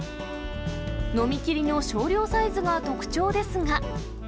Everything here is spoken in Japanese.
飲みきりの少量サイズが特徴ですが。